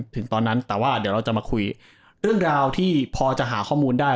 ถึงตอนนั้นแต่ว่าเดี๋ยวเราจะมาคุยเรื่องราวที่พอจะหาข้อมูลได้